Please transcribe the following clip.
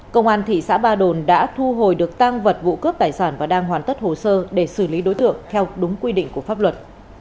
công an thị xã ba đồn đã thu hồi được tăng vật vụ cướp tài sản và đang hoàn tất hồ sơ để xử lý đối tượng theo đúng quy định của pháp luật